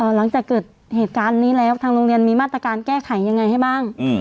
หลังจากเกิดเหตุการณ์นี้แล้วทางโรงเรียนมีมาตรการแก้ไขยังไงให้บ้าง